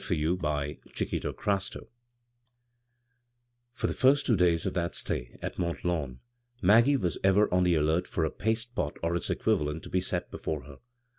b, Google CHAPTER XVI FOR the first two days of that stay at Mcmt Lawn Mag^gte was ever on the alert foi a paste pot or its equivalent to be set before her.